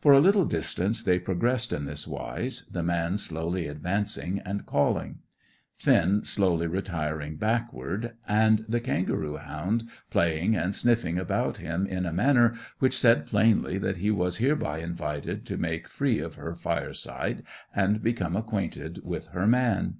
For a little distance they progressed in this wise: the man slowly advancing and calling, Finn slowly retiring backward, and the kangaroo hound playing and sniffing about him in a manner which said plainly that he was hereby invited to make free of her fireside, and become acquainted with her man.